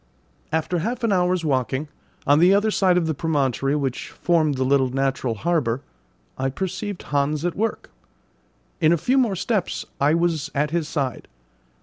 After half an hour's walking, on the other side of the promontory which formed the little natural harbour, I perceived Hans at work. In a few more steps I was at his side.